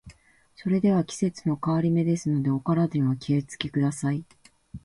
それでは、季節の変わり目ですので、お体にはお気を付けください。